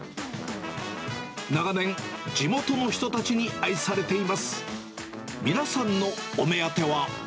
長年、地元の人たちに愛されています。